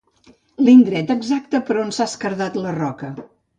L'indret exacte per on s'ha esquerdat la roca.